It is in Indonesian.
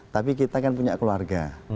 tapi kita kan punya keluarga